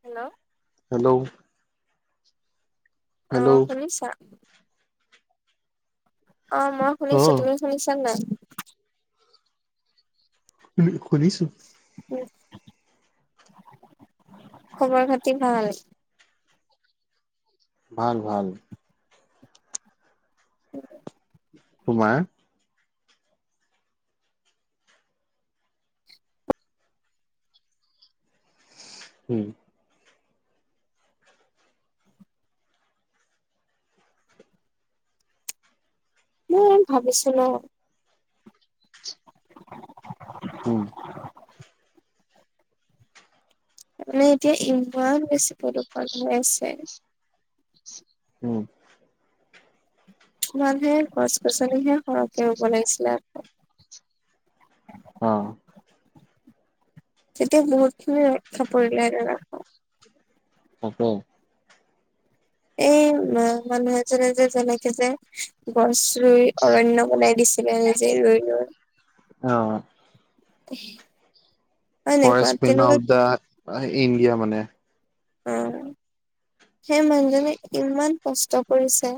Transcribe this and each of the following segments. Hello. Hello. অহ, hello শুনিছা? অহ, মই অ শুনিছোঁ। তুমি শুনিছা নে নাই? শুনিছো। খবৰ খাতি ভাল। ভাল, ভাল। তোমাৰ? উম। মই ভাবিছো ন। উম তাৰানে এতিয়া ইমান বেছি প্ৰদূষণ হৈ আছে। উম। মানহে গছ, গছনিহে সৰহকে বলাইছিলে। অ'। তেতিয়া বহুত খিনি ৰক্ষা পৰিলে জানা। অ'। এই মানুহ এজনে যে, যেনেকে, যে গছ ৰুই অৰন্য বনাই দিছে। এই, যে, ৰৈ, ৰৈ। অ forest man, of the India মানে অ, সেই মানুহজনে ইমান কষ্ট কৰিছে।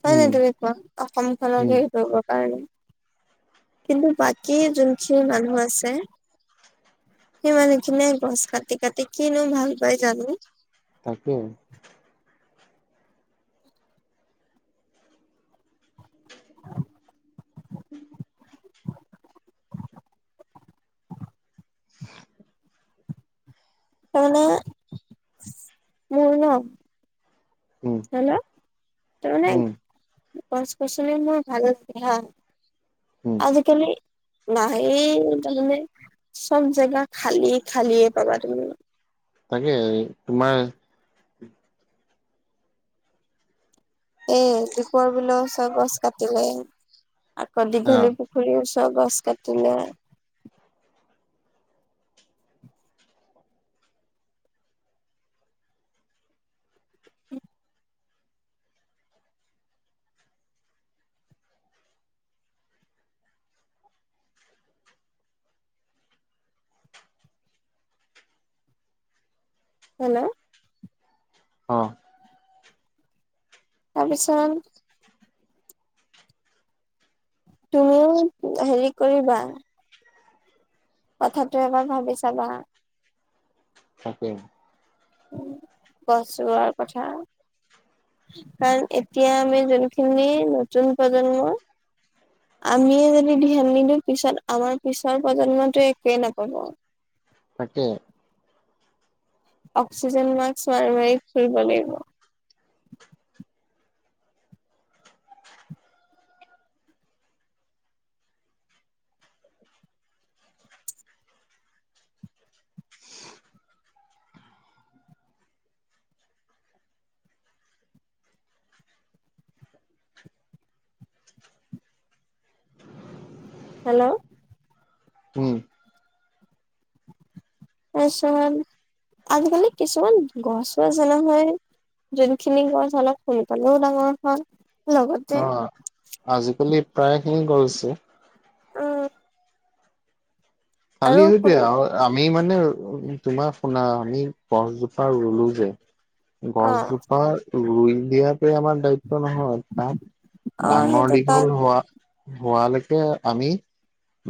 হয়, ন, উম তো, একোৱা অসমখনত উম সেইটো। আৰু কিন্তু বাকী যোনখিনি মানুহ আছে। সেই মানুহখিনে গছ কাটি, কাটি কিনো ভাল পাই জানো। তাকে। মানে, মোৰ ন উম হেল্ল'? ত, মান উম কচ, কছ মোৰ ভাল লে, হা। উম আজিকালি। নাহেই তাৰমানে চব জেগা খালী, খালীয়ে পাবা তুমি। তাকে তোমাৰ? এ, পৰ বিলৰ ওচৰ গছ কাটিলে, আকৌ অ দীঘলী পুখুৰীও। চ, গছ, কাটিলে। হেল্ল? অ'। তাৰপিছত তুমিও হেৰি কৰিবা। কথাটো এবাৰ ভাবি চাবা। থাকে। উ, গছোৱাৰ কথা। কাৰণ এতিয়া আমি যোনখিনি নতুন প্ৰজন্মৰ আমিয়ে যদি ধ্যান নিদিওঁ পিছত আমাৰ পিছৰ প্ৰজন্মটোৱে একেই নাপাব। পাকে। অক্সিজেন মাস্ক মাৰি, মাৰি ফৰিব লাগিব। হেল্ল'? উম। তাৰিছত আজিকালি কিছুমান গছছছে নহয়। যোনখিনি গৰ হ'ল ফোন প, ওলাঙৰখন। অ, আজিকালি প্ৰায়খিনি গলছে। উম আৰু খালি সত কোন আৰু আমি মানে উ, তোমাৰ শুনা আমি গছজোপা ৰুলো যে অ গছজোপা। ৰুই দিয়াতেে আমাৰ দায়িত্ব নহয়। তাত অ ডাঙৰ সেইটো দশ তাত হ'ল হোৱা। হোৱালৈকে আমি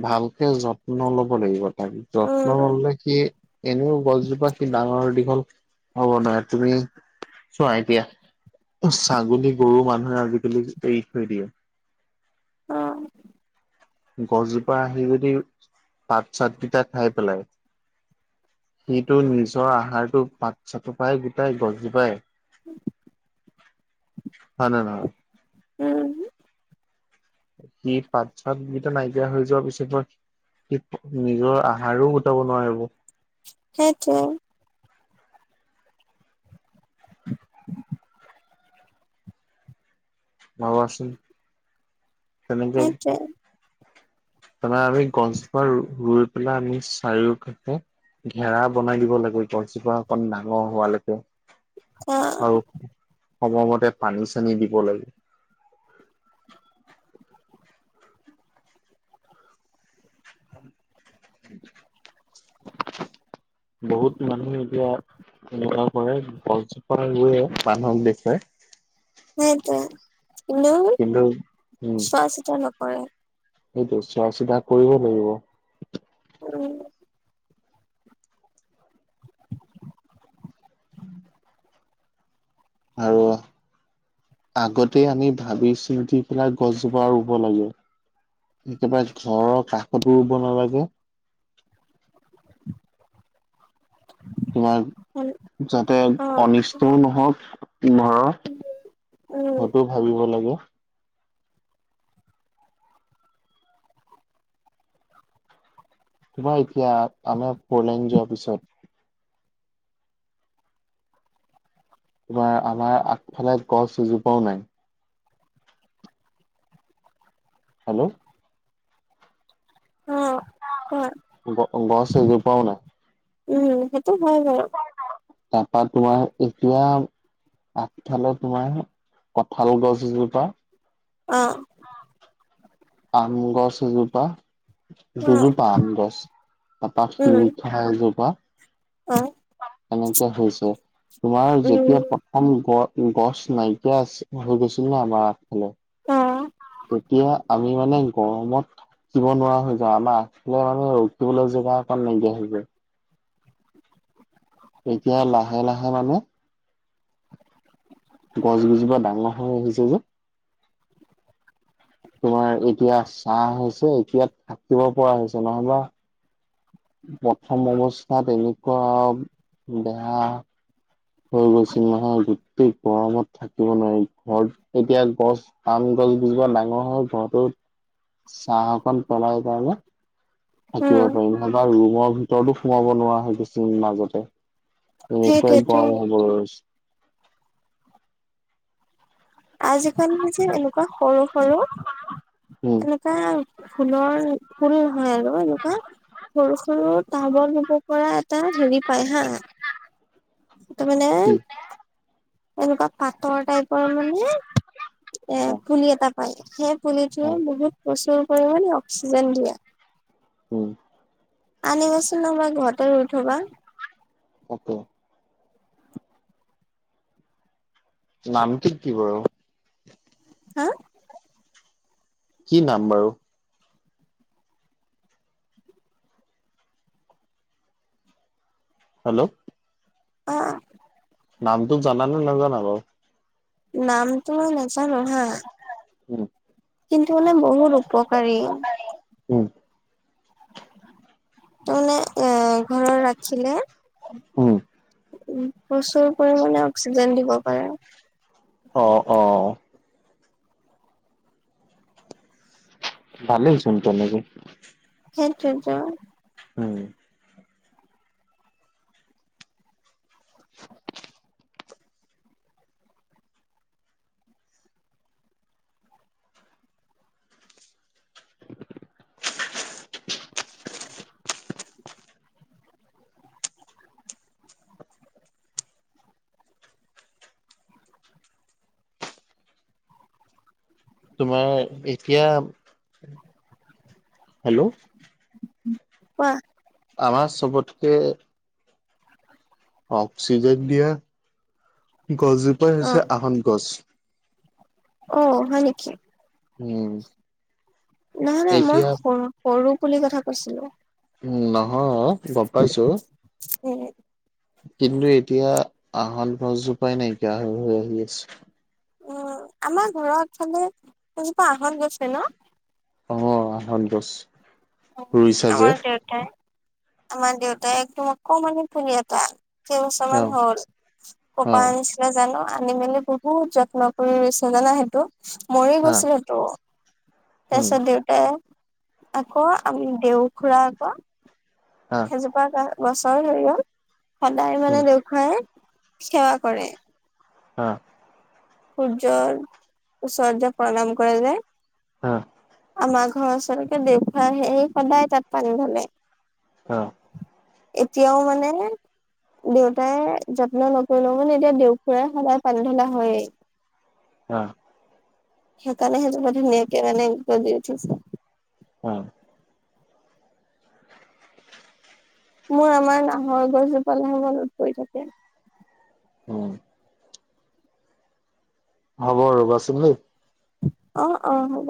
ভালকে যত্ন ল'ব লাগিব। তাৰপিছত যত্ন উম ললে সি এনেও গছজোপা সি ডাঙৰ দীঘল হ'ব নোৱাৰে তুমি চোৱা এতিয়া ছাগলী গৰু মানুহে আজিকালি এৰি থৈ দিয়ে অহ। গছজোপা আহি যদি পাত চাতকেইটা খাই পেলাই। সিটো নিজৰ আহাৰটো পাত চাতোপাই গোটাই গছজোপা [unintelligible] হয় নহয়। উম। সি পাত চাত গত নাইকিয়া হৈ যোৱাৰ পিছত নিজৰ আহাৰো গোটাব নোৱাৰিব। সেইটো ভাবাচোন। সেইটোৱে। তাৰে আমি গছজোপা ৰুই পেলাই আমি চাৰিওকাষে ঘেৰাা বনাই দিব লাগে গছজোপা অকণ ডাঙৰ হোৱালৈকে আৰু অহ। সময়মতে পানী চানী দিব লাগে। [unintelligible] বহুত মানুহ এতিয়া এনেকুৱা কৰে গছজোপা গে মানুহক দেখুৱাই সেইটোৱে কোনেও কিন্তু উম চোৱা চিতা নকৰে। সেইটো চোৱা চিতা কৰিব লাগিব। উম। আৰু আগতে আমি ভাবি চিন্তি পেলাই গছজোপা ৰুব লাগে। একেবাৰে ঘৰৰ কাষতো ৰুব নালাগে। [inaudible] উম তোমাৰ যাতে অ অনিষ্টও নহওক ন উম উম সেইটোতো ভাবিব লাগে। তোমাৰ এতিয়া আমাৰ পৰ্লেণ্ড যোৱাৰ পিছত তাৰ আমাৰ আগফালে গছ জোপাও নাই। হেল্ল'। অ হয় গছ এজোপাও নাই। উম। হয় বাৰু তাৰপা তোমাৰ এতিয়া আগফালে তোমাৰ কঁঠাল গছ এজোপা অ',। আম গছ এজোপা অ দুজোপা আম গছ তপা উম শিলিখা এজোপা অ তেনেকে হৈছে তোমাৰ উম যেতিয়া প্ৰথম গ়ছ গছ নাইকিয়া আছে হৈ গৈছিল নে আমাৰ আগফালে অ তেতিয়া আমি মানে গৰমত থাকিব নোৱাৰা হৈ যাওঁ আমাৰ আগফালে মানে ৰখিবলৈ জেগা অকণ নাইকিয়া হৈ উ [unintelligible] এতিয়া লাহে লাহে মানে গছ গজোপা ডাঙৰ হৈ আহিছে যে তোমাৰ এতিয়া চাহ হৈছে এতিয়া থাকিব পৰা হৈছে নহ'বা প্ৰথম অৱস্থাত এনেকুৱা বেয়া হৈ গৈছিল মাহৰ গোটেই গৰমত থাকিব নোৱাৰি ঘৰত এতিয়া গছ পা গছ গছবোৰ ডাঙৰ হয় ঘৰৰতত চাহ অ'কণ পলাই কাৰণে থাকিব উম পাৰিম নহবা ৰুমৰ ভিতৰতো সোমাব নোৱাৰা হয় কিছু মাজতে একেই সেইটোৱেতো গৰম হ'ব ধৰিছে। আজিকালি যে এনেকুৱা সৰু সৰু উম এনেকুৱা ফুলৰ ফুল হয় আৰু এনেকোৱা সৰু সৰু টাবত ল'ব পৰা এটা হেৰি পায় হা। এইটো মানে কি এনেকুৱা পাত তৰ টাইপৰ মানে এ, অ পুলি এটা পায়, সেই পুলিটোৱে অ বহুত প্ৰচুৰ পৰিমাণে অক্সিজেন দিয়ে। উম। আনিবচোন আমাৰ ঘৰৰতে উঠবা। অকে। নামটো কি বাৰু? হা? কি নাম বাৰু? হেল্ল'। অ', অ'। নামটো জানানে নাজানা বাৰু? নামটো মই নাজানো হা। উম, কিন্তু মানে বহুত উপকাৰী। হু। তেনে এ, ঘৰৰ ৰাখিলে উম। উ, প্ৰপ্ৰচুৰ পৰিণে অক্সিজেন দিব পাৰে। অ', অ'। ভালেইচোন তেনেকে। সেইটোইতো। উম। [inaudible] তোমাৰ এতিয়া, হেল্ল'। কোৱা। আমাৰ চবতকে অক্সিজেন দিয়া গছজোপাই অ হৈছে আহত গছ। অ' হয় নেকি? উম। নহয় নহয় মই এতিয়া সৰু সৰু পুলিৰ কথা কৈছিলোঁ। উ, নহয় অ' গম পাইছোঁ। উম। কিন্তু এতিয়া আহত গছজোপাই নাইকিয়া হৈ আহি আছে। উ, আমাৰ ঘৰতফালে এজোপা আহত গৈছে ন'? অ' আহত গছ। উ, ৰুইছা যে আমাৰ দেউতাই আমাৰ দেউতাই একদম কমানমানি পুলি এটা কেইবছৰমান অ', হ'ল, ক'ৰপা অ', আনিছিলে জানো। আনি মেলি বহুত যত্ন কৰি ৰুইচিলে সেইটো জানা, সেইটো মৰি হা, গৈছিল হেইটো। উম, তাৰপাছত দেউতা আকৌ আমি দেওসোৰা আকৌ, হা, সেইজোপা গ-গছৰ ধৰিও সদায় মানে উম, দেউখাই সেৱা কৰে। হয়। সূৰ্যৰ ওচৰতে প্ৰণাম কৰে যে হা। আমাৰ ঘৰৰ ওচৰলৈকে দেউখাই আহি আহি সদায় তাত পানী ঢালে। অ'। এতিয়াও মানে দেউতাই যত্ন নকৰিলেও মানে এতিয়া দেউ খুৰাই সদায় পানী ঢলা হয়েই। হ সেইকাৰ ন, হেজ ম, ধক, মে, দ, উঠি উ। মোৰ আমাৰ নাহৰ গছজোপালেনত পৰি থাকে। উম। হ'ব ৰ'বাচোন দেই। অ', অ', হ'ব।